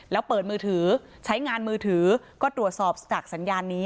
แล้วเปิดมือถือใช้งานมือถือก็ตรวจสอบจากสัญญาณนี้